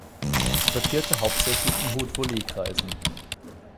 Sie verkehrte hauptsächlich in Hautevolee-Kreisen.